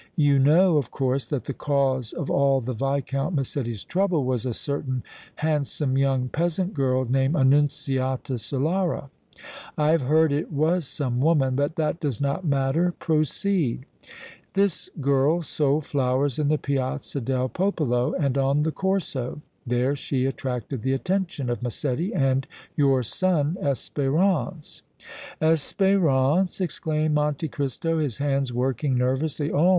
"You know, of course, that the cause of all the Viscount Massetti's trouble was a certain handsome young peasant girl named Annunziata Solara?" "I have heard it was some woman, but that does not matter; proceed." "This girl sold flowers in the Piazza del Popolo and on the Corso; there she attracted the attention of Massetti and your son Espérance." "Espérance!" exclaimed Monte Cristo, his hands working nervously. "Oh!